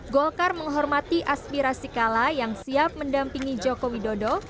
golkar menghormati aspirasi kala yang siap mendampingi joko widodo